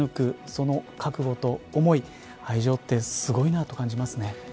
その覚悟と思い愛情ってすごいなと感じますね。